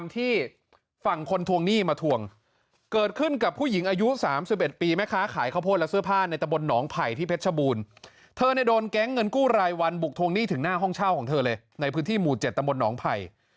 ที่ให้ผู้รายวันบุกทวงหนี้ถึงหน้าห้องเช่าของเธอเลยในพื้นที่หมู่๗ตะบนหนองไผ่